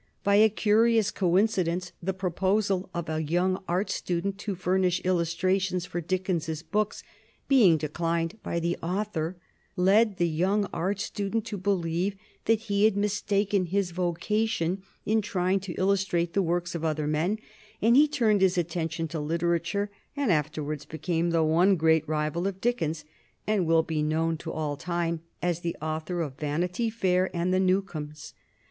By a curious coincidence, the proposal of a young art student to furnish illustrations for Dickens's books being declined by the author, led the young art student to believe that he had mistaken his vocation in trying to illustrate the works of other men, and he turned his attention to literature, and afterwards became the one great rival of Dickens, and will be known to all time as the author of "Vanity Fair" and "The Newcomes."